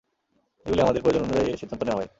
এগুলি আমাদের প্রয়োজন অনুযায়ী সিদ্ধান্ত নেওয়া হয়।